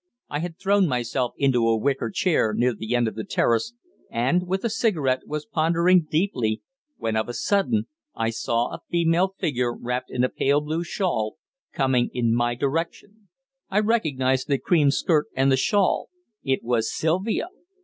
I had thrown myself into a wicker chair near the end of the terrace, and, with a cigarette, was pondering deeply, when, of a sudden, I saw a female figure, wrapped in a pale blue shawl, coming in my direction. I recognized the cream skirt and the shawl. It was Sylvia!